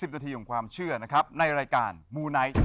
นาทีของความเชื่อนะครับในรายการมูไนท์